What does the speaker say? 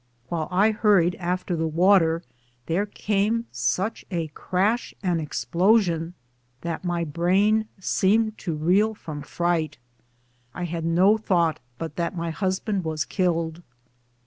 While I hurried after the water, there came such a crash and explosion that my brain seemed to reel from fright. I had no thought but that my husband was killed.